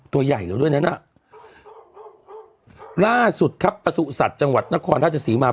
ตัวใหญ่แล้วด้วยนั้นอ่ะล่าสุดครับประสุทธิ์จังหวัดนครราชสีมา